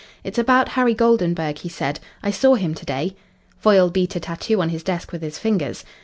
"It's about Harry Goldenburg," he said. "I saw him to day." Foyle beat a tattoo on his desk with his fingers.